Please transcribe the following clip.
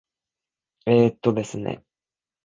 えーとですね。